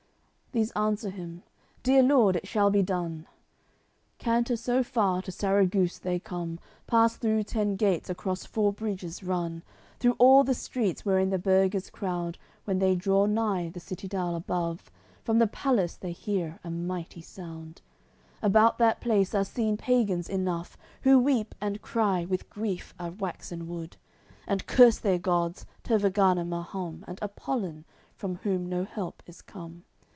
These answer him: "Dear lord, it shall be done." Canter so far, to Sarraguce they come, Pass through ten gates, across four bridges run, Through all the streets, wherein the burghers crowd. When they draw nigh the citadel above, From the palace they hear a mighty sound; About that place are seen pagans enough, Who weep and cry, with grief are waxen wood, And curse their gods, Tervagan and Mahum And Apolin, from whom no help is come.